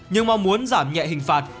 nhưng mong muốn giảm nhẹ hình phạt